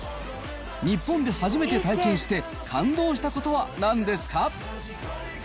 日本で初めて体験して、感動したことはなんですか。